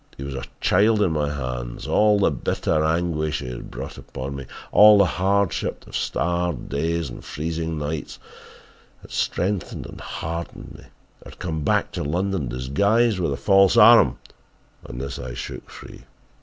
He was a child in my hands. All the bitter anguish he had brought upon me, all the hardships of starved days and freezing nights had strengthened and hardened me. I had come back to London disguised with a false arm and this I shook free.